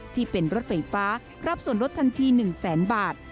ที่เป็นรถไฟฟ้ารับส่วนลดทันที๑แสนบาท